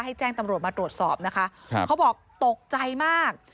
แจ้งตำรวจมาตรวจสอบนะคะครับเขาบอกตกใจมาก